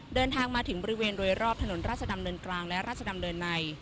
เดินทางมาถึงบริเวณโดยรอบถนนราชดำเนินกลางและราชดำเนินใน